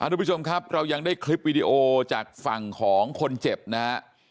ทุกผู้ชมครับเรายังได้คลิปวิดีโอจากฝั่งของคนเจ็บนะฮะ